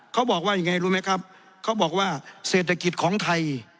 เขาบอกว่ายังไงรู้ไหมครับเขาบอกว่าเศรษฐกิจของไทย